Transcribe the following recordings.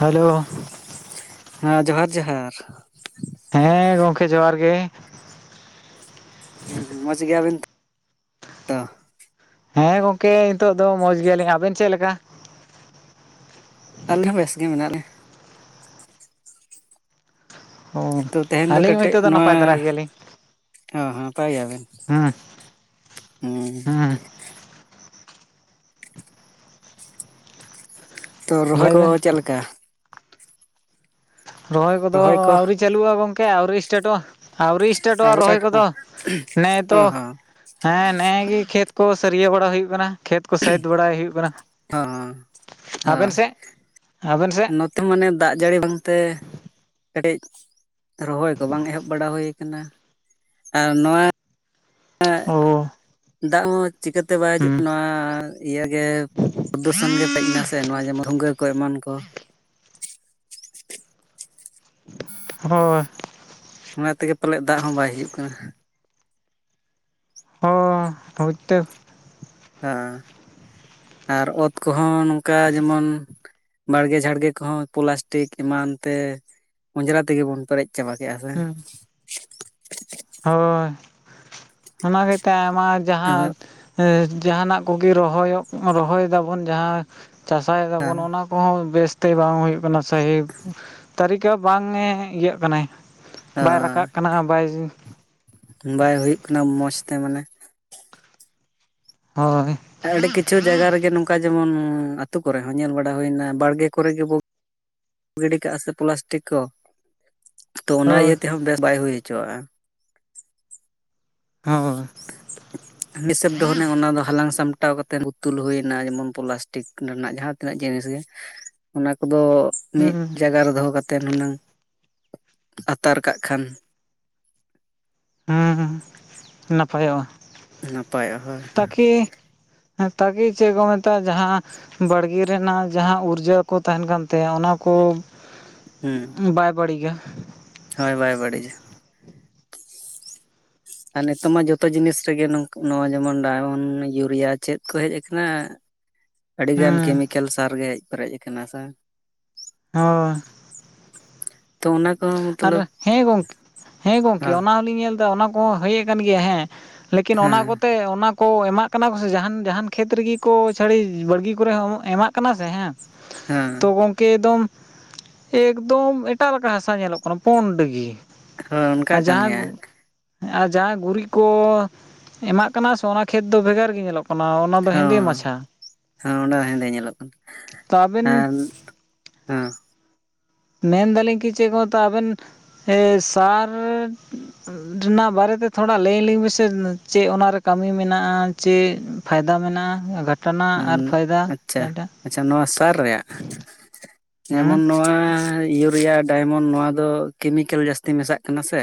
Hello ᱦᱮᱸ ᱡᱚᱦᱟᱨ ᱡᱚᱦᱟᱨ ᱦᱮᱸ ᱜᱚᱝᱠᱮ ᱡᱚᱦᱟᱨ ᱜᱮ ᱦᱮᱸ ᱢᱚᱡᱽ ᱜᱮᱭᱟᱵᱮᱱ ᱦᱮᱸ ᱜᱚᱝᱠᱮ ᱱᱤᱛᱚᱜ ᱫᱚ ᱢᱚᱡᱽ ᱜᱮᱭᱟᱞᱤᱧ ᱟᱵᱮᱱ ᱪᱮᱫ ᱞᱮᱠᱟ ᱟᱞᱮ ᱦᱚᱸ ᱵᱮᱥ ᱜᱮ ᱢᱮᱱᱟᱜ ᱞᱮᱭᱟ [unintelligible] ᱚ ᱛᱚ ᱛᱮᱦᱮᱧ ᱫᱚ ᱟᱹᱞᱤᱧ ᱦᱚᱸ ᱠᱟᱹᱴᱤᱡ ᱱᱤᱛᱚᱜ ᱱᱚᱣᱟ ᱱᱟᱯᱟᱭ ᱫᱷᱟᱨᱟ ᱜᱮᱭᱟᱞᱤᱧ ᱚ ᱦᱚ ᱱᱟᱯᱟᱣ ᱜᱮᱭᱟ ᱵᱮᱱ ᱦᱮᱸ ᱦᱮᱸ ᱛᱚ ᱨᱚᱦᱚᱭ ᱞᱟᱹᱭ ᱠᱚ ᱵᱮᱱ ᱪᱮᱫ ᱞᱮᱠᱟ ᱨᱚᱦᱚᱭ ᱠᱚᱫᱚ ᱟᱹᱣᱨᱤ ᱪᱟᱹᱞᱩᱜᱼᱟ ᱜᱚᱝᱠᱮ ᱟᱹᱣᱨᱤ ᱮᱥᱴᱟᱴᱚᱜᱼᱟ ᱟᱹᱣᱨᱤ ᱥᱴᱟᱨᱴᱚᱜᱼᱟ ᱟᱹᱣᱨᱤ ᱨᱚᱦᱚᱭ ᱥᱴᱟᱴ ᱠᱚ ᱠᱚᱫᱚ ᱱᱮᱼ ᱚ ᱛᱚ ᱦᱚᱸ ᱦᱮᱸ ᱱᱮᱜ ᱮ ᱜᱮ ᱠᱷᱮᱛ ᱠᱚ ᱥᱟᱹᱨᱭᱟᱹ ᱵᱟᱲᱟ ᱦᱩᱭᱩᱜ ᱠᱟᱱᱟ ᱠᱷᱮᱛ ᱠᱚ ᱥᱟᱹᱦᱤᱫ ᱵᱟᱲᱟᱭ ᱦᱩᱭᱩᱜ ᱠᱟᱱᱟ ᱦᱚᱸ ᱟᱵᱮᱱ ᱦᱚᱸ ᱥᱮᱫ ᱟᱵᱮᱱ ᱥᱮ ᱱᱚᱛᱮ ᱢᱟᱱᱮ ᱫᱟᱜ ᱡᱟᱹᱲᱤ ᱵᱟᱝᱛᱮ ᱠᱟᱹᱴᱤᱡ ᱨᱚᱦᱚᱭ ᱠᱚ ᱵᱟᱝ ᱮᱦᱚᱵ ᱵᱟᱲᱟ ᱦᱩᱭ ᱠᱟᱱᱟ ᱟᱨ ᱱᱚᱣᱟ ᱳ ᱫᱟᱜ ᱦᱚᱸ ᱪᱤᱠᱟᱹᱛᱮ ᱵᱟᱭ ᱦᱤᱡᱩᱜ ᱠᱟᱱᱟ ᱤᱭᱟᱹ ᱜᱮ [unintelligible] ᱜᱮ ᱯᱮᱡ ᱮᱱᱟ ᱥᱮ ᱱᱚᱣᱟ ᱡᱮᱢᱚᱱ ᱵᱷᱩᱝᱜᱟᱹ ᱠᱚ ᱮᱢᱟᱱ ᱠᱚ ᱦᱳᱭ ᱚᱱᱟ ᱛᱮᱜᱮ ᱯᱟᱞᱮᱫ ᱫᱟᱜ ᱦᱚᱸ ᱵᱟᱭ ᱦᱤᱡᱩᱜ ᱠᱟᱱᱟ ᱚ ᱦᱚᱭᱛᱚ [unintelligible] ᱦᱮᱸ ᱟᱨ ᱚᱛ ᱠᱚᱦᱚᱸ ᱱᱚᱝᱠᱟ ᱡᱮᱢᱚᱱ ᱵᱟᱲᱜᱮ ᱡᱷᱟᱲᱜᱮ ᱠᱚᱦᱚᱸ ᱯᱞᱟᱥᱴᱤᱠ ᱮᱢᱟᱱ ᱛᱮ ᱚᱸᱡᱽᱨᱟ ᱛᱮᱜᱮ ᱵᱚᱱ ᱯᱮᱨᱮᱡ ᱪᱟᱵᱟ ᱠᱮᱫᱼᱟ ᱦᱮᱥᱮ ᱦᱮᱸ ᱦᱳᱭ ᱚᱱᱟ ᱜᱤᱛᱟᱭ ᱟᱭᱢᱟ ᱟᱫᱚ ᱡᱟᱦᱟᱸ ᱡᱟᱦᱟᱱᱟᱜ ᱠᱚᱜᱮ ᱨᱚᱦᱚᱭᱚᱜ ᱨᱚᱦᱚᱭ ᱫᱟᱵᱚᱱ ᱡᱟᱦᱟᱸ ᱪᱟᱥᱟᱭ ᱫᱟᱵᱚᱱ ᱚᱱᱟ ᱠᱚᱦᱚᱸ ᱵᱮᱥᱛᱮ ᱵᱟᱝ ᱦᱩᱭᱩᱜ ᱠᱟᱱᱟ ᱥᱟᱦᱤ ᱛᱟᱹᱨᱤᱠᱟ ᱵᱟᱝᱮ ᱤᱭᱟᱹᱜ ᱠᱟᱱᱟᱭ ᱵᱟᱭ ᱨᱟᱠᱟᱵ ᱦᱳᱭ ᱠᱟᱱᱟ ᱵᱟᱭ ᱵᱟᱭ ᱦᱩᱭᱩᱜ ᱠᱟᱱᱟ ᱢᱚᱸᱡᱽ ᱛᱮ ᱢᱟᱱᱮ ᱦᱳᱭ ᱟᱹᱰᱤ ᱠᱤᱪᱷᱩ ᱡᱟᱭᱜᱟ ᱨᱮᱜᱮ ᱱᱚᱝᱠᱟ ᱡᱮᱢᱚᱱ ᱟ ᱟᱹᱛᱩᱳ ᱠᱚᱨᱮ ᱦᱚᱸ ᱧᱮᱞ ᱵᱟᱲᱟ ᱦᱩᱭᱱᱟ ᱵᱟᱲᱜᱮ ᱠᱚᱨᱮ ᱜᱮᱵᱚ ᱜᱤᱰᱤ ᱠᱟᱜᱼᱟ ᱥᱮ ᱯᱞᱟᱥᱴᱤᱠ ᱠᱚ ᱛᱚ ᱚᱱᱟ ᱦᱳᱭ ᱤᱭᱟᱹ ᱛᱮᱦᱚᱸ ᱵᱮᱥ ᱵᱟᱭ ᱦᱩᱭ ᱦᱚᱪᱚᱣᱟᱜᱼᱟ ᱦᱳᱭ [unintelligible] ᱢᱤᱫᱦᱤᱥᱟᱵ ᱫᱚ ᱦᱟᱱᱮ ᱚᱱᱟ ᱫᱚ ᱦᱟᱞᱟᱝ ᱥᱟᱢᱴᱟᱣ ᱠᱟᱛᱮ ᱯᱩᱛᱩᱞ ᱦᱩᱭᱱᱟ ᱡᱮᱢᱚᱱ ᱯᱚᱞᱟᱥ ᱴᱤᱠ ᱨᱮᱱᱟᱜ ᱡᱟᱦᱟᱸ ᱛᱤᱱᱟᱹᱜ ᱡᱤᱱᱤᱥ ᱜᱮ ᱚᱱᱟ ᱠᱚᱫᱚ ᱢᱤᱫ ᱦᱩᱸ ᱡᱟᱭᱜᱟ ᱨᱮ ᱫᱚᱦᱚ ᱠᱟᱛᱮᱮᱫ ᱦᱩᱱᱟᱹᱝ ᱟᱛᱟᱨ ᱠᱟᱜ ᱠᱷᱟᱱ ᱦᱮᱸ ᱱᱟᱯᱟᱭᱚᱜᱼᱟ ᱱᱟᱯᱟᱭᱚᱜᱼᱟ ᱦᱳᱭ ᱛᱟᱠᱤ ᱦᱮᱸ ᱛᱟᱠᱤ ᱪᱮᱫ ᱠᱚ ᱢᱮᱛᱟᱜᱼᱟ ᱡᱟᱦᱟᱸ ᱵᱟᱲᱜᱮ ᱨᱮᱱᱟᱜ ᱡᱟᱦᱟᱸ ᱩᱨᱡᱟᱠᱩ ᱛᱟᱦᱮᱱ ᱠᱟᱱ ᱛᱟᱦᱮᱸᱼᱟ ᱚᱱᱟᱠᱚ ᱦᱩᱸ ᱵᱟᱭ ᱵᱟᱹᱲᱤᱡᱟ ᱦᱳᱭ ᱵᱟᱭ ᱵᱟᱹᱲᱤᱡᱟ ᱟᱨ ᱱᱤᱛᱚᱜ ᱢᱟ ᱡᱚᱛᱚ ᱡᱤᱱᱤᱥ ᱨᱮᱜᱮ ᱱᱚᱣᱟ ᱡᱮᱢᱚᱱ ᱰᱟᱭᱢᱚᱱᱰ ᱤᱭᱩᱨᱤᱭᱟ ᱪᱮᱫ ᱠᱚ ᱦᱮᱡ ᱟᱠᱟᱱᱟ ᱟᱹᱰᱤᱜᱟᱱ ᱦᱩᱸ ᱠᱮᱢᱤᱠᱮᱞ ᱥᱟᱨ ᱜᱮ ᱦᱮᱡ ᱯᱮᱨᱮᱡ ᱟᱠᱟᱱᱟ ᱥᱮ ᱦᱚᱸ ᱛᱚ ᱚᱱᱟ ᱠᱚᱦᱚᱸ ᱢᱚᱛᱞᱚᱵ ᱟᱨ ᱦᱮᱸ ᱜᱚᱝᱠᱮ ᱦᱮᱸ ᱜᱚᱝᱠᱮ ᱦᱚᱸ ᱚᱱᱟ ᱦᱚᱞᱤᱧ ᱧᱮᱞ ᱮᱫᱟ ᱚᱱᱟ ᱠᱚᱦᱚᱸ ᱦᱮᱡ ᱟᱠᱟᱱ ᱜᱮᱭᱟ ᱦᱮᱸ ᱞᱮᱠᱤᱱ ᱚᱱᱟ ᱦᱮᱸ ᱠᱚᱛᱮ ᱚᱱᱟ ᱠᱚ ᱮᱢᱟᱜ ᱠᱟᱱᱟ ᱠᱚ ᱥᱮ ᱡᱟᱦᱟᱱ ᱡᱟᱦᱟᱱ ᱠᱷᱮᱛ ᱨᱮᱜᱮ ᱠᱚ ᱪᱷᱟᱹᱲᱤ ᱵᱟᱲᱜᱤ ᱠᱚᱨᱮ ᱦᱚᱸ ᱮᱢᱟᱜ ᱠᱟᱱᱟ ᱥᱮ ᱦᱮᱸ ᱦᱮᱸ ᱛᱚ ᱜᱚᱝᱠᱮ ᱮᱠᱫᱚᱢ ᱮᱠᱫᱚᱢ ᱮᱴᱟᱜ ᱞᱮᱠᱟ ᱦᱟᱥ ᱧᱮᱞᱚᱜ ᱠᱟᱱᱟ ᱯᱩᱸᱰ ᱜᱮ ᱦᱳᱭ ᱚᱱᱠᱟᱜ ᱟᱨ ᱠᱟᱱ ᱜᱮᱭᱟ ᱡᱟᱦᱟᱸ ᱟᱨ ᱡᱟᱦᱟᱸᱭ ᱜᱩᱨᱤᱡ ᱠᱚ ᱮᱢᱟᱜ ᱠᱟᱱᱟ ᱥᱮ ᱚᱱᱟ ᱠᱷᱮᱛ ᱫᱚ ᱵᱷᱮᱜᱟᱨ ᱜᱮ ᱧᱮᱞᱚᱜ ᱠᱟᱱᱟ ᱚᱱᱟ ᱫᱚ ᱦᱮᱸᱫᱮ ᱦᱚᱸ ᱢᱟᱪᱷᱟ ᱦᱚᱸ ᱚᱸᱰᱮ ᱫᱚ ᱦᱮᱸᱫᱮ ᱧᱮᱞᱚᱜ ᱠᱟᱱᱟ ᱛᱚ ᱟᱵᱮᱱ ᱟᱨ ᱦᱮᱸ ᱢᱮᱱᱫᱟᱞᱤᱧ ᱠᱤ ᱪᱮᱫ ᱠᱚ ᱢᱮᱛᱚᱜ-ᱟ ᱟᱵᱮᱱ ᱥᱟᱨ ᱨᱮᱱᱟᱜ ᱵᱟᱨᱮᱛᱮ ᱛᱷᱚᱲᱟ ᱞᱟᱹᱭ ᱟᱞᱤᱧ ᱢᱮᱥᱮ ᱪᱮᱫ ᱚᱱᱟᱨᱮ ᱠᱟᱹᱢᱤ ᱢᱮᱱᱟᱜᱼᱟ ᱪᱮ ᱯᱷᱟᱭᱫᱟ ᱢᱮᱱᱟᱜᱼᱟ ᱜᱷᱚᱴᱚᱱᱟ ᱦᱚᱸ ᱟᱨ ᱯᱷᱟᱭᱫᱟ ᱟᱪᱪᱷᱟ ᱡᱟᱦᱟᱸᱴᱟᱜ ᱟᱪᱪᱷᱟ ᱱᱚᱣᱟ ᱥᱟᱨ ᱨᱮᱭᱟᱜ ᱦᱮᱸ ᱡᱮᱢᱚᱱ ᱱᱚᱣᱟ ᱤᱭᱩᱨᱤᱭᱟ ᱰᱟᱭᱢᱚᱱᱰ ᱱᱚᱣᱟ ᱫᱚ ᱠᱮᱢᱤᱠᱮᱞ ᱡᱟᱹᱥᱛᱤ ᱢᱮᱥᱟᱜ ᱠᱟᱱᱟ ᱥᱮ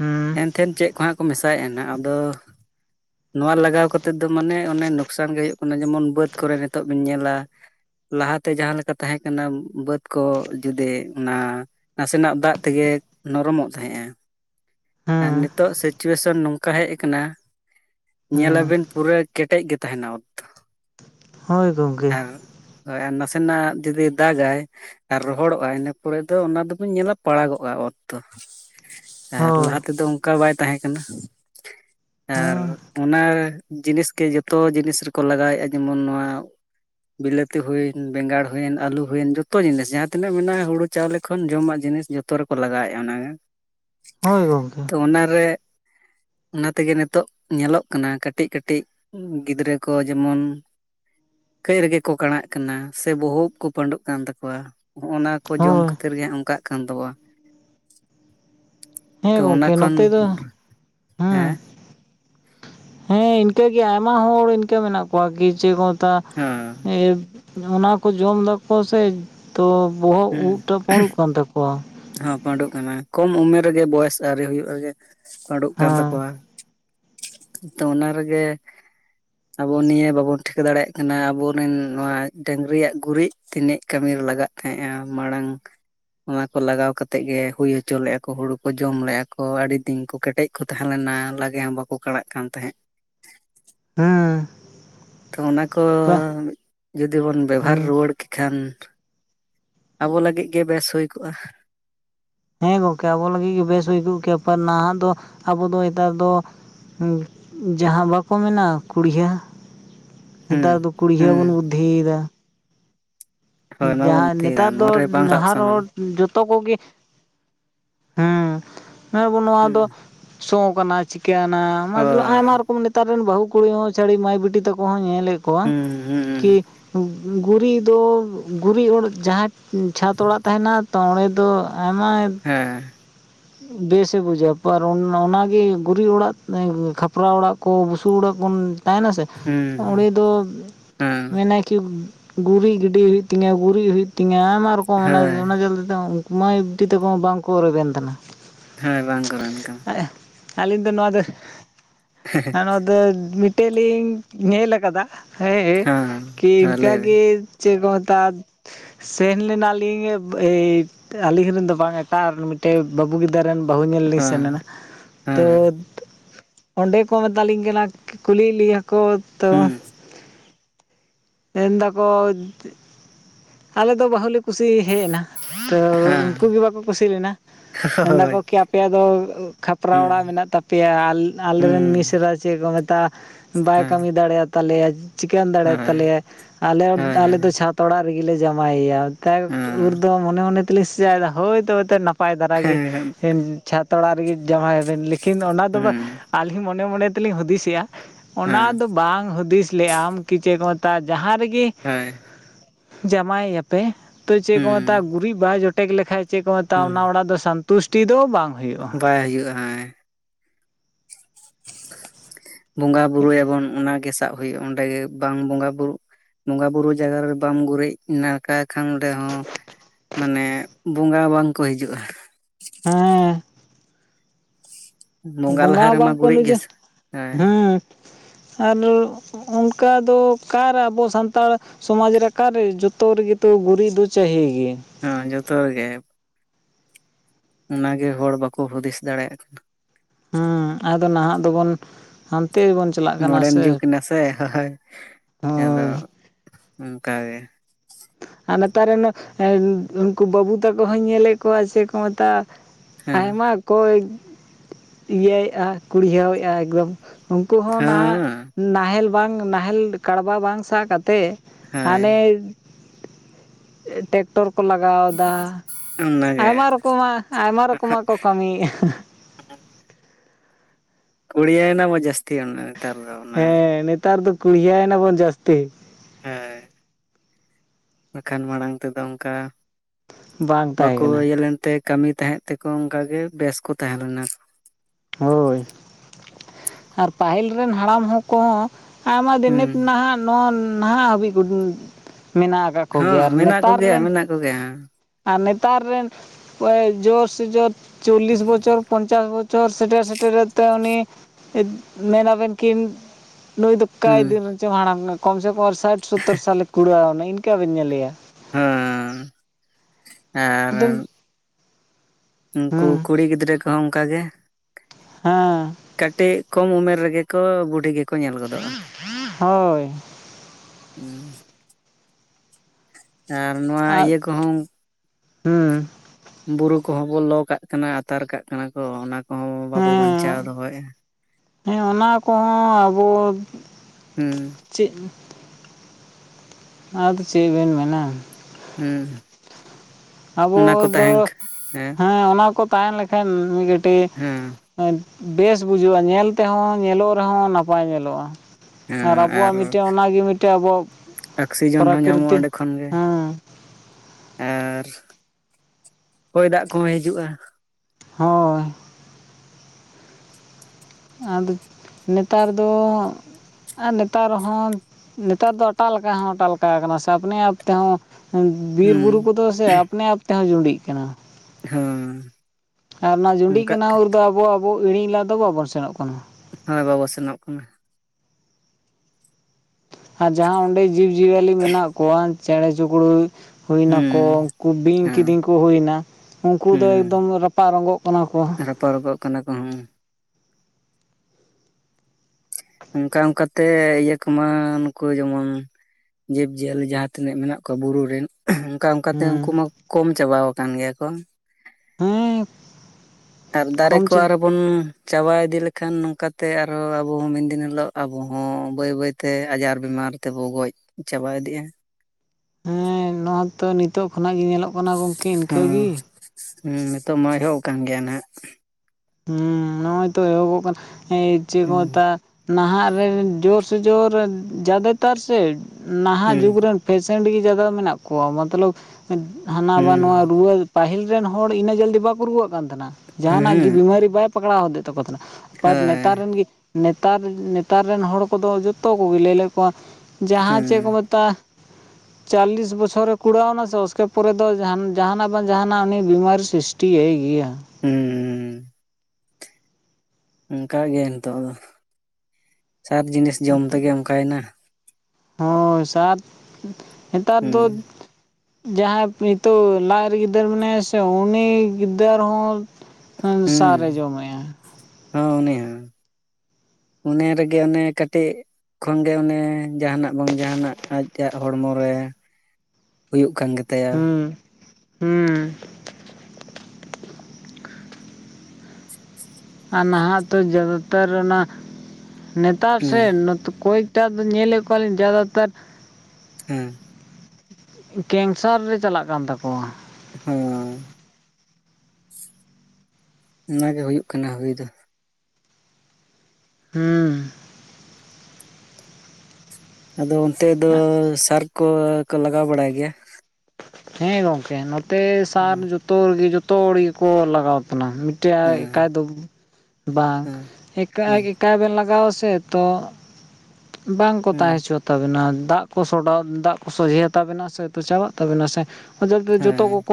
ᱦᱮᱸ ᱦᱮᱱᱛᱷᱮᱱ ᱪᱮᱫ ᱠᱚᱦᱟᱸᱜ ᱠᱚ ᱢᱮᱥᱟᱭᱮᱫᱼᱟ ᱦᱟᱜ ᱟᱫᱚ ᱱᱚᱣᱟ ᱞᱟᱜᱟᱣ ᱠᱟᱛᱮ ᱼᱼ ᱫᱚ ᱢᱟᱱᱮ ᱚᱱᱮ ᱞᱠᱥᱟᱱ ᱜᱮ ᱦᱩᱭᱩᱜ ᱠᱟᱱᱟ ᱡᱮᱢᱚᱱ ᱵᱟᱹᱫ ᱠᱚᱨᱮ ᱱᱤᱛᱚᱜ ᱵᱤᱱ ᱧᱮᱞᱟ ᱞᱟᱦᱟᱛᱮ ᱡᱟᱦᱟᱸ ᱞᱮᱠᱟ ᱛᱟᱦᱮᱸ ᱠᱟᱱᱟ ᱵᱟᱹᱫ ᱠᱚ ᱡᱩᱫᱤ ᱚᱱᱟ ᱱᱟᱥᱮᱱᱟᱜ ᱫᱟᱜ ᱛᱮᱜᱮ ᱱᱚᱨᱚᱢᱚᱜ ᱛᱟᱦᱮᱸᱼᱟ ᱟᱨ ᱦᱮᱸ ᱱᱤᱛᱚᱜ ᱥᱤᱪᱩᱭᱮᱥᱚᱱ ᱱᱚᱝᱠᱟ ᱦᱮᱡ ᱠᱟᱱᱟ ᱦᱮᱸ ᱧᱮᱞᱟᱵᱤᱱ ᱯᱩᱨᱟᱹ ᱠᱮᱴᱮᱡ ᱜᱮ ᱛᱟᱦᱮᱱᱟ ᱚᱛ ᱫᱚ ᱦᱳᱭ ᱜᱚᱢᱠᱮ ᱟᱨ ᱦᱳᱭ ᱟᱨ ᱱᱟᱥᱮᱱᱟᱜ ᱡᱩᱫᱤ ᱫᱟᱜᱟᱭ ᱟᱨ ᱨᱚᱦᱚᱲᱚᱜᱼᱟ ᱤᱱᱟᱹ ᱯᱚᱨᱮ ᱫᱚ ᱚᱱᱟ ᱫᱚᱵᱚᱱ ᱧᱮᱞᱟ ᱯᱟᱲᱟᱜᱚᱜᱼᱟ ᱚᱛ ᱫᱚ ᱟᱨ ᱦᱳᱭ ᱞᱟᱦᱟ ᱛᱮᱫᱚ ᱚᱱᱠᱟ ᱵᱟᱭ ᱛᱟᱦᱮᱸᱠᱟᱱᱟ ᱟᱨ ᱦᱮᱸ ᱚᱱᱟ ᱡᱤᱱᱤᱥ ᱜᱮ ᱡᱚᱛᱚ ᱡᱤᱱᱤᱥ ᱨᱮᱠᱚ ᱞᱟᱜᱟᱣᱮᱫᱼᱟ ᱡᱮᱢᱚᱱ ᱱᱚᱣᱟ ᱵᱤᱞᱟᱹᱛᱤ ᱦᱩᱭᱮᱱ ᱵᱮᱸᱜᱟᱲ ᱦᱩᱭᱮᱱ ᱟᱹᱞᱩ ᱦᱩᱭᱮᱱ ᱡᱚᱛᱚ ᱡᱤᱱᱤᱥ ᱡᱟᱦᱟᱸ ᱛᱤᱱᱟᱹᱜ ᱢᱮᱱᱟᱜᱼᱟ ᱦᱩᱲᱩ ᱪᱟᱣᱞᱮ ᱠᱷᱚᱱ ᱡᱚᱢᱟᱜ ᱡᱤᱱᱤᱥ ᱡᱚᱛᱚ ᱡᱚᱛᱚ ᱨᱮᱠᱚ ᱞᱟᱜᱟᱣᱮᱫᱼᱟ ᱚᱱᱟᱜᱮ ᱦᱳᱭ ᱜᱚᱝᱠᱮ ᱛᱚ ᱚᱱᱟ ᱨᱮ ᱚᱱᱟ ᱛᱮᱜᱮ ᱱᱤᱛᱚᱜ ᱧᱮᱞᱚᱜ ᱠᱟᱱᱟ ᱠᱟᱹᱴᱤᱡ ᱠᱟᱹᱴᱤᱡ ᱜᱤᱫᱽᱨᱟᱹ ᱠᱚ ᱡᱮᱢᱚᱱ ᱠᱟᱹᱡ ᱨᱮᱜᱮ ᱠᱚ ᱠᱟᱲᱟᱜ ᱠᱟᱱᱟ ᱥᱮ ᱵᱚᱦᱚᱜ ᱠᱚ ᱯᱟᱺᱰᱩᱜ ᱠᱟᱱ ᱛᱟᱠᱚᱣᱟ ᱦᱚᱜ ᱱᱟᱼᱼ ᱠᱚ ᱡᱚᱢ ᱦᱳᱭ ᱠᱷᱟᱹᱛᱤᱨ ᱜᱮ ᱚᱱᱠᱟᱜ ᱠᱟᱱ ᱛᱟᱵᱚᱣᱟ ᱛᱚ ᱦᱮᱸ ᱚᱱᱟ ᱜᱚᱢᱠᱮ ᱠᱷᱚᱱ ᱱᱚᱛᱮ ᱫᱚ ᱦᱮᱸ ᱦᱮᱸ ᱤᱱᱠᱟᱹᱜᱮ ᱟᱭᱢᱟ ᱦᱚᱲ ᱤᱱᱠᱟᱹ ᱢᱮᱱᱟᱜ ᱠᱚᱣᱟ ᱠᱤ ᱪᱮᱫ ᱠᱚ ᱢᱮᱛᱟ ᱦᱮᱸ ᱚᱱᱟ ᱠᱚ ᱡᱚᱢ ᱮᱫᱟᱠᱚ ᱥᱮ ᱛᱚ ᱵᱚᱦᱚᱜ ᱩᱵ ᱴᱟᱜ ᱯᱩᱲᱩᱜ ᱠᱟᱱ ᱛᱟᱠᱚᱣᱟ ᱦᱚ ᱯᱟᱹᱰᱩᱜ ᱠᱟᱱᱟ ᱠᱚᱢ ᱩᱢᱮᱨ ᱨᱮᱜᱮ ᱵᱚᱭᱮᱥ ᱟᱹᱣᱨᱤ ᱦᱩᱭᱩᱜ ᱨᱮᱜᱮ ᱯᱟᱹᱰᱩᱜ ᱠᱟᱱ ᱦᱮᱸ ᱛᱟᱠᱚᱣᱟ ᱛᱚ ᱚᱱᱟ ᱨᱮᱜᱮ ᱟᱵᱚ ᱱᱤᱭᱟᱹ ᱵᱟᱵᱚᱱ ᱴᱷᱤᱠᱟᱹ ᱫᱟᱲᱮᱭᱟᱜ ᱠᱟᱱᱟ ᱟᱵᱚᱨᱮᱱ ᱱᱚᱣᱟ ᱰᱟᱹᱝᱨᱤᱭᱟᱜ ᱜᱩᱨᱤᱡ ᱛᱤᱱᱟᱹᱜ ᱠᱟᱹᱢᱤᱨᱮ ᱞᱟᱜᱟᱜ ᱛᱟᱦᱮᱸᱫᱼᱟ ᱢᱟᱲᱟᱝ ᱚᱱᱟ ᱠᱚ ᱞᱟᱜᱟᱣ ᱠᱟᱛᱮᱜ ᱜᱮ ᱦᱩᱭ ᱦᱚᱪᱚ ᱞᱮᱫᱼᱟ ᱠᱚ ᱦᱩᱲᱩ ᱠᱚ ᱡᱚᱢ ᱞᱮᱫᱼᱟ ᱠᱚ ᱟᱹᱰᱤ ᱫᱤᱱ ᱠᱚ ᱠᱮᱴᱮᱡ ᱠᱚ ᱛᱟᱦᱮᱸ ᱞᱮᱱᱟ ᱞᱮᱜᱮᱢ ᱵᱟᱠᱚ ᱠᱟᱲᱟᱜ ᱠᱟᱱ ᱛᱟᱦᱮᱸᱫ ᱦᱮᱸ ᱛᱚ ᱚᱱᱟ ᱠᱚ ᱯᱟ ᱡᱩᱫᱤ ᱵᱚᱱ ᱵᱮᱵᱟᱨ ᱦᱮᱸ ᱨᱩᱣᱟᱹᱲ ᱠᱮ ᱮᱱᱠᱷᱟᱱ ᱟᱵᱚ ᱞᱟᱹᱜᱤᱫ ᱜᱮ ᱵᱮᱥ ᱦᱩᱭ ᱠᱚᱜᱼᱟ, ᱦᱮᱸ ᱜᱚᱢᱠᱮ ᱟᱵᱚ ᱞᱟᱹᱜᱤᱫ ᱜᱮ ᱵᱮᱥ ᱦᱩᱭ ᱠᱚᱜ ᱜᱮᱭᱟ ᱱᱟᱦᱟ ᱫᱚ ᱟᱵᱚᱫᱚ ᱦᱮᱛᱟᱨᱫᱚ ᱡᱟᱦᱟᱸ ᱵᱟᱠᱚ ᱢᱮᱱᱟ ᱠᱩᱲᱭᱟᱹ ᱦᱮᱸ ᱱᱮᱛᱟᱨ ᱫᱚ ᱠᱩᱲᱤᱭᱟᱹ ᱦᱮᱸ ᱵᱚᱱ ᱵᱩᱫᱽᱫᱤᱭᱮᱫᱟ ᱦᱳᱭ ᱚᱱᱟ ᱵᱚᱱ ᱡᱟᱦᱟᱸ ᱛᱟᱹᱭᱟ ᱱᱮᱛᱟᱨ ᱱᱚᱣᱟ ᱫᱚ ᱨᱮ ᱵᱟᱝ ᱥᱟᱵ ᱱᱟᱦᱟᱨ ᱦᱚᱲ ᱥᱟᱱᱟᱢᱟ ᱡᱚᱛᱚ ᱠᱚᱜᱮ ᱦᱮᱸ ᱦᱮᱸ ᱵᱚ ᱱᱚᱣᱟ ᱫᱚ ᱦᱮᱸ ᱥᱚ ᱠᱟᱱᱟ ᱪᱤᱠᱟᱹ ᱟᱱᱟ ᱢᱚᱛᱞᱚᱵ ᱦᱳᱭ ᱟᱭᱢᱟ ᱨᱚᱠᱚᱢ ᱱᱮᱛᱟᱨ ᱨᱮᱱ ᱵᱟᱹᱦᱩ ᱠᱚ ᱠᱩᱲᱤ ᱦᱚᱸ ᱪᱷᱟᱹᱲᱤ ᱢᱟᱭ ᱵᱤᱴᱤ ᱛᱟᱠᱚ ᱦᱚᱸ ᱧᱮᱞᱮᱫ ᱠᱚᱣᱟ ᱦᱮᱸ ᱦᱮᱸ ᱠᱤ ᱜᱩᱨᱤᱡ ᱫᱚ ᱜᱩᱨᱤᱡ ᱚᱲᱟᱜ ᱡᱟᱦᱟᱸ ᱪᱷᱟᱫᱽ ᱚᱲᱟᱜ ᱛᱟᱦᱮᱱᱟ ᱛᱚ ᱚᱸᱰᱮ ᱫᱚ ᱟᱭᱢᱟ ᱦᱮᱸ ᱵᱮᱥᱮ ᱵᱩᱡᱟ. ᱭᱟ ᱠᱟᱨᱟᱱ ᱚᱱᱟᱜᱮ ᱜᱩᱨᱤᱡ ᱚᱲᱟᱜ ᱠᱷᱟᱯᱨᱟ ᱚᱲᱟᱜ ᱠᱚ ᱵᱩᱥᱩᱵ ᱚᱲᱟᱜ ᱵᱚᱱ ᱛᱟᱦᱮᱱᱟ ᱥᱮ ᱦᱮᱸ ᱦᱮᱸ ᱚᱸᱰᱮ ᱫᱚ ᱦᱮᱸ ᱢᱮᱱᱟ ᱠᱤ ᱜᱩᱨᱤᱡ ᱜᱤᱰᱤ ᱦᱩᱭᱩᱜ ᱛᱤᱧᱟᱹ ᱜᱩᱨᱤᱡ ᱦᱩᱭᱩᱜ ᱛᱤᱧᱟᱹ ᱟᱭᱢᱟ ᱨᱚᱠᱚᱢ ᱚᱱᱟ ᱦᱳᱭ ᱚᱱᱟ [unintelligible] ᱢᱟᱹᱭᱵᱤᱴᱤ ᱛᱟᱠᱚ ᱦᱚᱸᱵᱟᱝᱠᱚ ᱨᱮᱵᱮᱱ ᱛᱟᱦᱮᱱᱟ ᱦᱮᱸ ᱵᱟᱝ ᱠᱚ ᱨᱟᱱ ᱠᱟᱱᱟ ᱟᱹᱞᱤᱧ ᱫᱚ ᱱᱚᱣᱟ ᱫᱚ ᱱᱚᱣᱟ ᱫᱚ ᱢᱤᱫᱴᱮᱱ ᱞᱤᱧ ᱧᱮᱞᱠᱟᱫᱟ ᱦᱮᱸ ᱠᱤ ᱦᱮᱸ ᱞᱟᱹᱭ ᱵᱤᱱ ᱤᱱᱠᱟᱜᱮ ᱪᱮᱫ ᱠᱚ ᱢᱮᱛᱟ ᱥᱮᱱ ᱞᱮᱱᱟᱞᱤᱧ ᱮᱭ ᱟᱹᱞᱤᱧ ᱨᱮᱱ ᱫᱚ ᱵᱟᱝ ᱮᱴᱟᱜ ᱟᱨ ᱢᱤᱫᱴᱮᱱ ᱵᱟᱹᱵᱩ ᱜᱤᱫᱽᱨᱟᱹ ᱨᱮᱱ ᱵᱟᱹᱦᱩ ᱧᱮᱞ ᱞᱤᱧ ᱥᱮᱱ ᱦᱮᱸ ᱞᱮᱱᱟ ᱛᱚ ᱦᱮᱸ ᱚᱸᱰᱮ ᱠᱚ ᱫᱟᱞᱤᱧ ᱠᱟᱱᱟ ᱠᱩᱞᱤᱭᱮᱫ ᱞᱤᱧᱟ ᱠᱚ ᱛᱚ ᱦᱮᱸ ᱢᱮᱱᱫᱟᱠᱚ ᱟᱞᱮ ᱫᱚ ᱵᱟᱹᱦᱩᱞᱮ ᱠᱩᱥᱤ ᱦᱮᱡ ᱮᱱᱟ ᱛᱚ ᱩᱱᱠᱩ ᱦᱮᱸ ᱜᱮ ᱵᱟᱠᱚ ᱠᱩᱥᱤ ᱞᱮᱱᱟ ᱦᱳᱭ ᱢᱮᱱᱫᱟᱠᱚ ᱠᱤ ᱟᱯᱮᱭᱟᱜ ᱫᱚ ᱠᱷᱟᱯᱨᱟ ᱦᱮᱸ ᱚᱲᱟᱜ ᱢᱮᱱᱟᱜ ᱛᱟᱯᱮᱭᱟᱞ ᱟᱞᱮᱨᱮᱱ ᱦᱮᱸ ᱢᱤᱥᱨᱟᱡᱽ ᱪᱮᱫ ᱠᱚ ᱢᱮᱛᱟᱜᱼᱟ ᱵᱟᱭ ᱦᱮᱸ ᱠᱟᱹᱢᱤ ᱫᱟᱲᱮ ᱟᱛᱟᱞᱮᱭᱟ ᱪᱤᱠᱟᱹᱱ ᱦᱳᱭ ᱦᱳᱭ ᱫᱟᱲᱮᱭᱟᱛᱟᱞᱮᱭᱟ ᱟᱞᱮ ᱟᱞᱮ ᱫᱚ ᱦᱳᱭ ᱪᱷᱟᱸᱛ ᱚᱲᱟᱜ ᱨᱮᱜᱮᱞᱮ ᱡᱟᱶᱟᱭᱮᱭᱟ ᱛᱟᱭ ᱩᱨ ᱫᱚ ᱢᱚᱱᱮ ᱢᱚᱱᱮ ᱛᱮᱞᱤᱧ ᱥᱮᱡᱟᱭᱮᱫᱟ ᱦᱳᱭ ᱛᱚᱵᱮ ᱛᱚ ᱱᱟᱯᱟᱭ ᱫᱷᱟᱨᱟᱜ ᱜᱮ ᱦᱮᱸ ᱪᱷᱟ ᱛ ᱛᱲᱟᱜ ᱨᱮᱜᱮ ᱡᱟᱶᱟᱭᱵᱮᱱ ᱞᱮᱠᱤᱱ ᱚᱱᱟ ᱫᱚ ᱦᱮᱸ ᱟᱹᱞᱤᱧ ᱢᱚᱱᱮ ᱢᱚᱱᱮ ᱛᱮᱞᱤᱧ ᱦᱩᱫᱤᱥᱮᱜᱼᱟ ᱚᱱᱟ ᱦᱮᱸ ᱫᱚ ᱵᱟᱝ ᱦᱩᱫᱤᱥ ᱞᱮ ᱟᱢ ᱠᱤ ᱪᱮᱫᱠᱚ ᱢᱮᱛᱟᱜᱟ ᱡᱟᱦᱟᱸ ᱨᱮᱜᱮ ᱦᱳᱭ ᱡᱟᱢᱟᱭᱟᱯᱮ ᱛᱚ ᱪᱮᱫ ᱠᱚ ᱢᱮᱛᱟᱜᱼᱟ ᱦᱩᱸ ᱜᱩᱨᱤᱡ ᱵᱟᱭ ᱡᱚᱴᱠ ᱞᱮᱠᱷᱟᱡ ᱪᱮᱫ ᱠᱚ ᱢᱮᱛᱟᱜᱼᱟ ᱚᱱᱟ ᱦᱩᱸ ᱚᱲᱟᱜ ᱫᱚ ᱥᱟᱱ ᱛᱩᱥᱴᱤ ᱫᱚ ᱵᱟᱝ ᱦᱩᱭᱩᱜᱼᱟ ᱵᱟᱭ ᱦᱩᱭᱩᱜᱼᱟ ᱦᱮ ᱵᱚᱸᱜᱟ ᱵᱩᱨᱩᱭᱟᱵᱚᱱ ᱚᱱᱟᱜᱮ ᱥᱟᱵ ᱦᱩᱭᱩᱜᱼᱟ ᱚᱸᱰᱮ ᱜᱮ ᱵᱟᱝ ᱵᱚᱸᱜᱟ ᱵᱩᱨᱩ ᱵᱚᱸᱜᱟ ᱵᱩᱨᱩ ᱡᱟᱭᱜᱟ ᱨᱮ ᱵᱟᱢ ᱜᱩᱨᱤᱡ ᱱᱟᱲᱠᱟᱟᱭ ᱠᱷᱟᱱ ᱚᱸᱰᱮ ᱦᱚᱸ ᱢᱟᱱᱮ ᱵᱚᱸᱜᱟ ᱵᱟᱝ ᱠᱚ ᱦᱤᱡᱩᱜᱼᱟ ᱦᱮᱸ ᱵᱚᱸᱜᱟ ᱞᱟᱦᱟ ᱦᱚᱸ ᱨᱮᱢᱟ ᱜᱩᱨᱤᱡ ᱵᱟᱝᱠᱚᱱᱩᱡᱟ ᱜᱮᱥᱮ ᱦᱳᱭ ᱦᱮᱸ ᱟᱨ ᱚᱱᱠᱟ ᱫᱚ ᱚᱠᱟᱨᱮ ᱟᱵᱚ ᱥᱟᱱᱛᱟᱲ ᱥᱚᱢᱟᱡᱽ ᱨᱮ ᱚᱠᱟᱨᱮ ᱡᱚᱛᱚ ᱨᱮᱜᱮ ᱛᱚ ᱜᱩᱨᱤᱡ ᱫᱚ ᱪᱟᱹᱦᱤ ᱜᱮ ᱦᱮᱸ ᱡᱚᱛᱚ ᱨᱮᱜᱮ ᱚᱱᱟᱜᱮ ᱦᱚᱲ ᱵᱟᱠᱚ ᱦᱩᱫᱤᱥ ᱫᱟᱲᱮᱭᱟᱜ ᱠᱟᱱᱟ ᱦᱩᱸ ᱟᱫᱚ ᱱᱟᱦᱟᱜ ᱫᱚᱵᱚᱱ ᱦᱟᱱᱛᱮᱵᱚᱱ ᱢᱚᱰᱟᱱ ᱡᱩᱜᱽ ᱱᱟᱥᱮ ᱦᱳᱭ ᱦᱳᱭ ᱟᱫᱚ ᱦᱳᱭ ᱚᱱᱠᱟᱜᱮ ᱟᱨ ᱱᱮᱛᱟᱨ ᱨᱮᱱ ᱩᱱᱠᱩ ᱵᱟᱹᱵᱩ ᱛᱟᱠᱚ ᱦᱚᱧ ᱧᱮᱞᱮᱫ ᱠᱚᱣᱟ ᱪᱮᱫ ᱠᱚ ᱢᱮᱛᱟᱜ ᱟ ᱦᱮᱸ ᱟᱭᱢᱟ ᱠᱚᱭ ᱤᱭᱟᱹᱭᱮᱫᱼᱟ ᱠᱩᱲᱦᱤᱣᱮᱫᱼᱟ ᱮᱠᱫᱚᱢ ᱩᱱᱠᱩ ᱦᱚᱸ ᱱᱟᱦᱟᱜ ᱦᱮᱸ ᱱᱟᱦᱮᱞ ᱵᱟᱝ ᱱᱟᱦᱮᱞ ᱠᱟᱲᱵᱟ ᱵᱟᱝ ᱥᱟᱵ ᱠᱟᱛᱮ ᱦᱳᱭ ᱦᱟᱱᱮ ᱴᱮᱠᱴᱚᱨ ᱠᱚ ᱞᱟᱜᱟᱣᱫᱟ ᱚᱱᱟᱜᱮ ᱟᱭᱢᱟ ᱨᱚᱠᱚᱢᱟᱜ ᱟᱭᱢᱟ ᱨᱚᱠᱚᱢᱟᱜ ᱠᱚ ᱠᱟᱹᱢᱤ ᱮᱜ-ᱟ ᱠᱩᱲᱤᱭᱟᱹ ᱮᱱᱟ ᱵᱚᱱ ᱡᱟᱹᱥᱛᱤ ᱱᱮᱛᱟᱨ ᱫᱚ ᱚᱱᱟ ᱦᱮᱸ ᱱᱮᱛᱟᱨ ᱫᱚ ᱠᱩᱲᱭᱟ. ᱭᱱᱟ ᱵᱚᱱ ᱡᱟᱹᱥᱛᱤ ᱦᱮᱸ ᱵᱟᱠᱷᱟᱱ ᱢᱟᱲᱟᱝ ᱛᱮᱫᱚ ᱚᱱᱠᱟ ᱵᱟᱝ ᱛᱟᱦᱮᱸ ᱵᱟᱠᱚ ᱠᱟᱱᱟ ᱤᱭᱟᱹ ᱞᱮᱱ ᱛᱮ ᱠᱟᱹᱢᱤ ᱛᱟᱦᱮᱸᱜ ᱛᱮ ᱠᱚ ᱚᱱᱠᱟ ᱜᱮ ᱵᱮᱥ ᱠᱚ ᱛᱟᱦᱮᱸ ᱞᱮᱱᱟ ᱦᱳᱭ ᱟᱨ ᱯᱟᱹᱦᱤᱞ ᱨᱮᱱ ᱦᱟᱲᱟᱢ ᱦᱚᱲ ᱦᱚᱸᱠᱚ ᱟᱭᱢᱟ ᱫᱤᱱ ᱦᱩᱸ ᱱᱤᱛ ᱱᱟᱦᱟᱜ ᱱᱚᱣᱟ ᱱᱟᱦᱟᱜ ᱦᱟᱹᱵᱤᱡ ᱢᱮᱱᱟᱜ ᱠᱟᱫ ᱠᱚ ᱦᱚᱸ ᱜᱮᱭᱟ ᱟᱨ ᱢᱮᱱᱟᱜ ᱱᱮᱛᱟᱨ ᱠᱚᱜᱮᱭᱟ ᱨᱮᱱ ᱢᱮᱱᱟᱜ ᱠᱚᱜᱮᱭᱟ ᱟᱨ ᱱᱮᱛᱟᱨ ᱨᱮᱱ ᱡᱳᱨ ᱥᱮ ᱡᱳᱨ ᱪᱚᱞᱞᱤᱥ ᱵᱚᱪᱷᱚᱨ ᱯᱚᱧᱪᱟᱥ ᱵᱚᱪᱷᱚᱨ ᱪᱚᱨ ᱥᱮᱴᱮᱨ ᱥᱮᱴᱮᱮᱨᱛ ᱩᱱᱤ ᱢᱮᱱᱟᱵᱮᱱ ᱠᱤᱱ ᱱᱩᱭ ᱫᱚ ᱚᱠᱟᱭ ᱦᱩᱸ ᱫᱤᱱ ᱪᱚᱝ ᱦᱟᱲᱟᱢ ᱠᱟᱱᱟ ᱠᱚᱢ ᱥᱮ ᱠᱚᱢ ᱥᱟᱴ ᱥᱳᱛᱛᱚᱨ ᱥᱟᱞᱮ ᱠᱩᱲᱟᱹᱣᱱᱟ ᱤᱱᱠᱟᱹ ᱵᱮᱱ ᱧᱮᱞᱮᱭᱟ ᱦᱮᱸ ᱟᱨ ᱮᱠᱫᱚᱢ ᱩᱱᱠᱩ ᱦᱮᱸ ᱠᱩᱲᱤ ᱜᱤᱫᱽᱨᱟᱹ ᱠᱚᱦᱚᱸ ᱚᱱᱠᱟᱜ ᱜᱮ ᱦᱮᱸ ᱠᱟᱹᱴᱤᱡ ᱠᱚᱢ ᱩᱢᱮᱨ ᱨᱮᱜᱮ ᱠᱚ ᱵᱩᱰᱷᱤ ᱜᱮᱠᱚ ᱧᱮᱞ ᱜᱚᱫᱚᱜᱼᱟ ᱦᱳᱭ ᱟᱨ ᱱᱚᱣᱟ ᱤᱭᱟᱹ ᱠᱚᱦᱚᱸ ᱦᱩᱸ ᱵᱩᱨᱩ ᱠᱚᱦᱚᱸ ᱵᱚ ᱞᱚ ᱠᱟᱜ ᱠᱟᱱᱟ ᱟᱛᱟᱨ ᱠᱟᱜ ᱠᱟᱱᱟ ᱠᱚ ᱚᱱᱟ ᱠᱚᱦᱚᱸ ᱵᱟᱵᱚ ᱵᱟᱧᱪᱟᱣ ᱦᱮᱸ ᱫᱚᱦᱚᱭᱮᱫᱼᱟ ᱦᱮᱸ ᱚᱱᱟ ᱠᱚᱦᱚᱸ ᱟᱵᱚ ᱦᱩᱸ ᱪᱮᱫ ᱟᱫᱚ ᱪᱮᱫ ᱵᱮᱱ ᱢᱮᱱᱟ ᱦᱮᱸ ᱟᱵᱚ ᱫᱚ ᱦᱮᱸ ᱚᱱᱟ ᱠᱚ ᱛᱟᱦᱮᱸ ᱞᱮᱠᱷᱟᱱ ᱢᱤᱫ ᱠᱟᱹᱴᱤᱡ ᱦᱮᱸ ᱵᱮᱥ ᱵᱩᱡᱷᱟᱹᱜ-ᱟ ᱧᱮᱞ ᱛᱮᱦᱚᱸ ᱧᱮᱞᱚᱜ ᱨᱮᱦᱚᱸ ᱱᱟᱯᱟᱭ ᱧᱮᱞᱚᱜ-ᱟ ᱟᱨ ᱟᱵᱚᱣᱟᱜ ᱢᱤᱫᱴᱮᱱ ᱚᱱᱟᱜᱮ ᱢᱤᱫᱴᱮᱱ ᱟᱵᱚᱣᱟᱜ ᱚᱠᱥᱤᱡᱮᱱ ᱦᱚᱸ ᱧᱟᱢᱚᱜ-ᱟ ᱯᱨᱟᱠᱨᱤᱛᱤᱠ ᱚᱸᱰᱮ ᱠᱷᱚᱱ ᱜᱮ ᱦᱮᱸ ᱟᱨ ᱦᱚᱭ ᱫᱟᱜ ᱠᱚᱦᱚᱸ ᱦᱤᱡᱩᱜ-ᱟ ᱦᱳᱭ ᱟᱫᱚ ᱱᱮᱛᱟᱨ ᱫᱚ ᱟᱨ ᱱᱮᱛᱟᱨ ᱦᱚᱸ ᱱᱮᱛᱟᱨ ᱫᱚ ᱟᱴᱟᱞ ᱞᱮᱠᱟ ᱦᱚᱸ ᱟᱴᱟᱞ ᱞᱮᱠᱟ ᱠᱟᱱᱟ ᱥᱮ ᱟᱯᱱᱮ ᱟᱯ ᱛᱮᱦᱚᱸ ᱵᱤᱨ ᱦᱩᱸ ᱵᱩᱨᱩ ᱠᱚᱫᱚ ᱥᱮ ᱟᱯᱱᱮ ᱟᱯ ᱛᱮᱦᱚᱸ ᱡᱩᱸᱰᱤᱜ ᱠᱟᱱᱟ ᱦᱮᱸ ᱟᱨ ᱚᱱᱟ ᱡᱩᱸᱰᱤᱜ ᱠᱟᱱᱟ ᱩᱨ ᱫᱚ ᱟᱵᱚ ᱟᱵᱚ ᱤᱲᱤᱧ ᱞᱟᱹᱜᱤᱫ ᱫᱚ ᱵᱟᱵᱚᱱ ᱥᱮᱱᱚᱜ ᱠᱟᱱᱟ ᱦᱮᱸ ᱵᱟᱵᱚ ᱥᱮᱱᱚᱜ ᱠᱟᱱᱟ ᱟᱨ ᱡᱟᱦᱟᱸ ᱚᱸᱰᱮ ᱡᱤᱵᱽᱼᱡᱤᱭᱟᱹᱞᱤ ᱢᱮᱱᱟᱜ ᱠᱚᱣᱟ ᱪᱮᱬᱮ ᱪᱤᱯᱲᱩᱡ ᱦᱩᱭᱱᱟᱠᱚ ᱦᱩᱸ ᱩᱱᱠᱩ ᱵᱤᱧ ᱦᱮᱸ ᱠᱤᱫᱤᱧ ᱠᱚ ᱦᱩᱭᱱᱟ ᱩᱱᱠᱩ ᱫᱚ ᱮᱠᱫᱚᱢ ᱨᱟᱯᱟᱜ ᱨᱚᱝᱜᱚᱜ ᱠᱟᱱᱟ ᱠᱚ ᱯᱚᱨᱠᱚᱜ ᱠᱟᱱᱟ ᱠᱚ ᱦᱚᱸ ᱚᱱᱠᱟ ᱚᱱᱠᱟ ᱛᱮ ᱤᱭᱟᱹ ᱠᱚᱢᱟ ᱱᱩᱠᱩ ᱡᱮᱢᱚᱱ ᱡᱤᱵᱽ ᱡᱤᱭᱟᱹᱞᱤ ᱡᱟᱦᱟᱸ ᱛᱤᱱᱟᱹᱜ ᱢᱮᱱᱟᱜ ᱠᱚᱣᱟ ᱵᱩᱨᱩ ᱨᱮᱱ ᱚᱱᱠᱟ ᱚᱱᱠᱟᱛᱮ ᱩᱱᱠᱩ ᱦᱮᱸ ᱢᱟ ᱠᱚᱢ ᱪᱟᱵᱟ ᱟᱠᱟᱱ ᱜᱮᱭᱟ ᱠᱚ ᱦᱮᱸ ᱟᱨ ᱫᱟᱨᱮ ᱠᱚᱢ ᱠᱚ ᱪᱮ ᱟᱨ ᱵᱚᱱ ᱪᱟᱵᱟ ᱤᱫᱤ ᱞᱮᱠᱷᱟᱱ ᱱᱚᱝᱠᱟ ᱛᱮ ᱟᱨᱦᱚᱸ ᱟᱵᱚ ᱦᱚᱸ ᱢᱮᱱ ᱫᱤᱱ ᱦᱤᱞᱳᱜ ᱟᱵᱚ ᱦᱚᱸ ᱵᱟᱹᱭ ᱵᱟᱹᱭ ᱛᱮ ᱟᱡᱟᱨ ᱵᱤᱢᱟᱨ ᱛᱮᱵᱚ ᱜᱚᱡ ᱪᱟᱵᱟ ᱤᱫᱤᱜ-ᱟ ᱦᱮᱸ ᱱᱚᱣᱟ ᱛᱚ ᱱᱤᱛᱚᱜ ᱠᱷᱚᱱᱟᱜ ᱜᱮ ᱧᱮᱞᱚᱜ ᱠᱟᱱᱟ ᱜᱚᱝᱠᱮ ᱦᱚᱸ ᱦᱚᱸ ᱱᱤᱛᱳᱜ ᱢᱟ ᱮᱦᱚᱵ ᱟᱠᱟᱱ ᱜᱮᱭᱟ ᱱᱟᱦᱟᱜ ᱦᱩᱸ ᱱᱚᱜ-ᱚᱭ ᱛᱚ ᱮᱦᱚᱵᱚᱜ ᱠᱟᱱᱟ ᱪᱮᱫ ᱠᱚ ᱦᱩᱸ ᱢᱮᱛᱟᱜ-ᱟ ᱱᱟᱦᱟᱜ ᱨᱮᱱ ᱡᱳᱨ ᱥᱮ ᱡᱳᱨ ᱡᱟᱫᱟ ᱛᱟᱨ ᱥᱮ ᱱᱟᱦᱟᱜ ᱦᱩᱸ ᱡᱩᱜᱽ ᱨᱮᱱ ᱯᱮᱭᱥᱮᱱᱰ ᱜᱮ ᱡᱟᱫᱟ ᱢᱮᱱᱟᱜ ᱠᱚᱣᱟ ᱢᱚᱛᱞᱚᱵ ᱦᱟᱱᱟ ᱵᱟ ᱱᱚᱣᱟ ᱦᱩᱸ ᱨᱩᱣᱟᱹ ᱯᱟᱹᱦᱤᱞ ᱨᱮᱱ ᱦᱚᱲ ᱤᱱᱟᱹᱜ ᱡᱚᱞᱫᱤ ᱵᱟᱠᱚ ᱨᱩᱣᱟᱹᱜ ᱠᱟᱱ ᱛᱟᱦᱮᱱᱟ ᱡᱟᱦᱟᱱᱟᱜ ᱜᱮ ᱦᱩᱸ ᱵᱤᱢᱟᱨᱤ ᱵᱟᱭ ᱯᱟᱠᱲᱟᱣᱫᱮᱜ ᱦᱚᱫ ᱛᱟᱠᱚ ᱛᱟᱦᱮᱱᱟ ᱟᱨ ᱦᱳᱭ ᱱᱮᱛᱟᱨ ᱨᱮᱱ ᱜᱮ ᱱᱮᱛᱟᱨ ᱱᱮᱛᱟᱨ ᱨᱮᱱ ᱦᱚᱲ ᱠᱚᱫᱚ ᱡᱚᱛᱚ ᱠᱚᱜᱮ ᱞᱟᱹᱭ ᱞᱮᱫ ᱠᱚᱣᱟ ᱡᱟᱦᱟᱸ ᱦᱩᱸ ᱪᱮᱫ ᱠᱚ ᱢᱮᱛᱟᱜ-ᱟ ᱪᱚᱞᱞᱤᱥ ᱵᱚᱪᱷᱚᱨᱮ ᱠᱩᱲᱟᱣᱱᱟ ᱥᱮ ᱚᱥᱠᱮ ᱯᱚᱨᱮ ᱫᱚ ᱡᱟᱦᱟᱱᱟᱜ ᱵᱟᱝ ᱡᱟᱦᱟᱱᱟᱜ ᱩᱱᱤ ᱵᱤᱢᱟᱨᱤ ᱥᱤᱥᱴᱤ ᱴᱤᱭᱟᱭ ᱜᱮᱭᱟ ᱦᱩᱸᱻᱩ ᱚᱱᱠᱟ ᱜᱮ ᱱᱤᱛᱚᱜ ᱫᱚ ᱥᱟᱫ ᱡᱤᱱᱤᱥ ᱡᱚᱢ ᱛᱮᱜᱮ ᱚᱱᱠᱟᱭᱮᱱᱟ ᱦᱳᱭ ᱥᱟᱫ ᱱᱮᱛᱟᱨ ᱦᱩᱸ ᱫᱚ ᱡᱟᱦᱟᱸᱭ ᱱᱤᱛᱚᱜ ᱞᱟᱡ ᱨᱮ ᱜᱤᱫᱟᱹᱨ ᱢᱮᱱᱟᱭᱟ ᱥᱮ ᱩᱱᱤ ᱜᱤᱫᱟᱹᱨ ᱦᱚᱸ ᱦᱮᱸ ᱥᱟᱨᱮ ᱡᱚᱢᱮᱭᱟ ᱦᱚᱸᱮ ᱩᱱᱤ ᱦᱚᱸ ᱚᱱᱮ ᱨᱮᱜᱮ ᱚᱱᱮ ᱠᱟᱹᱴᱤᱡ ᱠᱷᱚᱱᱜᱮ ᱚᱱᱮ ᱡᱟᱦᱟᱱᱟᱜ ᱵᱟᱝ ᱡᱟᱦᱟᱱᱟᱜ ᱟᱡᱟᱜ ᱦᱚᱲᱢᱚ ᱨᱮ ᱦᱩᱭᱩᱜ ᱠᱟᱱ ᱜᱮ ᱦᱩᱸ, ᱦᱩᱸ ᱟᱨ ᱱᱟᱦᱟᱜ ᱛᱚ ᱡᱟᱫᱟᱛᱟᱨ ᱚᱱᱟ ᱱᱮᱛᱟᱨ ᱦᱩᱸ ᱥᱮ ᱱᱚᱛ ᱠᱚᱭ ᱛᱟᱨ ᱫᱚ ᱧᱮᱞᱮᱫ ᱠᱚᱣᱟᱞᱤᱧ ᱡᱟᱫᱟ ᱛᱟᱨ ᱦᱮᱸ ᱠᱮᱱᱥᱟᱨ ᱨᱮ ᱪᱟᱞᱟᱜ ᱠᱟᱱ ᱛᱟᱠᱚᱣᱟ ᱦᱮᱸ ᱚᱱᱟᱜᱮ ᱦᱩᱭᱩᱜ ᱠᱟᱱᱟ ᱦᱩᱭ ᱫᱚ ᱦᱮᱸ ᱟᱫᱚ ᱚᱱᱛᱮ ᱫᱚ ᱥᱟᱨᱠᱚ ᱠᱚᱠᱚ ᱞᱟᱜᱟᱣ ᱵᱟᱲᱟᱭ ᱜᱮᱭᱟ? ᱦᱮᱸ ᱜᱚᱢᱠᱮ ᱱᱚᱛᱮ ᱥᱟᱨ ᱦᱮᱸ ᱡᱚᱛᱚ ᱜᱮ ᱡᱚᱛᱚ ᱦᱚᱲ ᱜᱮᱠᱚ ᱞᱟᱜᱟᱣ ᱛᱟᱦᱮᱱᱟ ᱢᱤᱫ ᱛᱮᱭᱟᱭ ᱦᱮᱸ ᱮᱠᱟᱭ ᱫᱚ ᱵᱟᱝ ᱦᱮᱸ ᱮᱠᱟ ᱦᱮᱸ ᱮᱠᱟᱭ ᱵᱮᱱ ᱞᱟᱜᱟᱣ ᱟᱥᱮ ᱛᱚ ᱵᱟᱝ ᱠᱚ ᱦᱮᱸ ᱛᱟᱦᱮᱸ ᱦᱚᱪᱚ ᱟᱛᱟᱵᱤᱱᱟ ᱫᱟᱜ ᱠᱚ ᱥᱚᱰᱟᱣᱜ ᱫᱟᱜ ᱠᱚ ᱥᱚᱡᱷᱮᱭᱟᱛᱟᱵᱮᱱᱟ ᱥᱮ ᱛᱚ ᱪᱟᱵᱟᱜ ᱛᱟᱵᱮ ᱱᱟᱥᱮ ᱦᱚ ᱡᱚᱛᱚ, ᱡᱚᱛᱚ ᱦᱮᱸ ᱠᱚᱠᱚ